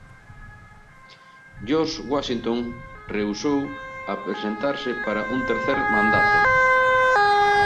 George Washington rehusó a presentarse para un tercer mandato.